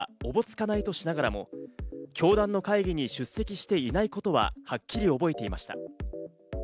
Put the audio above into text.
ハン・ハクチャ総裁とあったかどうかは、おぼつかないとしながらも、教団の会議に出席していないことははっきり覚えていました。